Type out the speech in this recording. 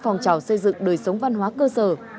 phong trào xây dựng đời sống văn hóa cơ sở